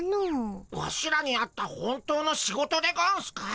ワシらにあった本当の仕事でゴンスか？